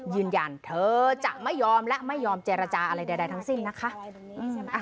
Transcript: ยืนยันเธอจะไม่ยอมและไม่ยอมเจรจาอะไรใดทั้งสิ้นนะคะ